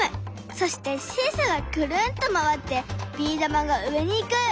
そしてシーソーがくるんと回ってビー玉が上に行く。